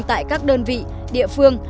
tại các đơn vị địa phương